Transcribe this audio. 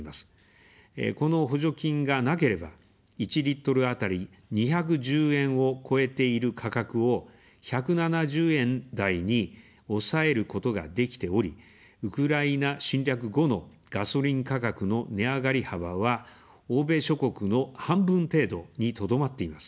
この補助金がなければ、１リットルあたり２１０円を超えている価格を、１７０円台に抑えることができており、ウクライナ侵略後のガソリン価格の値上がり幅は欧米諸国の半分程度にとどまっています。